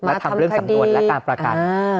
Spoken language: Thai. และทำเรื่องสำนวนและการประกัน